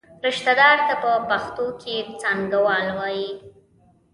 رشته دار ته په پښتو کې څانګوال وایي.